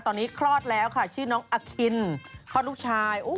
ตอนนี้คลอดแล้วค่ะชื่อน้องอคินคลอดลูกชาย